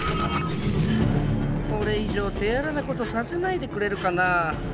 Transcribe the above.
これ以上手荒な事させないでくれるかな。